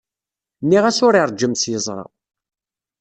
Nniɣ-as ur iṛejjem s yeẓra.